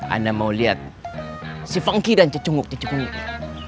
anak mau lihat si fengki dan cecunguk cecunguknya